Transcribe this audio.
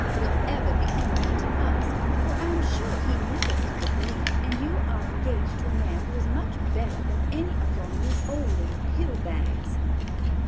—will ever be anything to us, for I am sure he'd never think of me, and you are engaged to a man who is much better than any of your New Orleans pill bags."